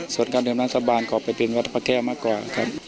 ส่วนการดื่มน้ำสาบานขอไปเป็นวัดพระแก้วมากกว่าครับ